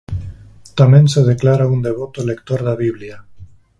Tamén se declara un devoto lector da Biblia.